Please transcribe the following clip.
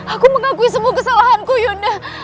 aku mengakui semua kesalahanku yunda